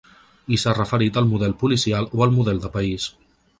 I s’ha referit al model policial o al model de país.